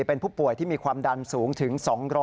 เป็นผู้ป่วยที่มีความดันสูงถึง๒๐๐